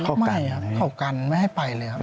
เขาไม่ครับเขากันไม่ให้ไปเลยครับ